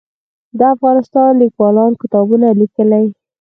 د افغانستان لیکوالان کتابونه لیکي